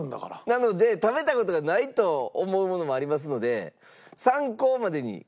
なので食べた事がないと思うものもありますので。